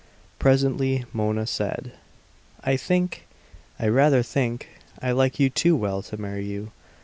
Presently Mona said: "I think I rather think I like you too well to marry you.